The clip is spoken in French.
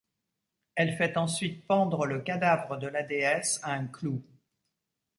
Elle fait ensuite pendre le cadavre de la déesse à un clou.